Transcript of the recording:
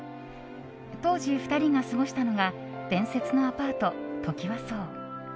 当時、２人が過ごしたのが伝説のアパート、トキワ荘。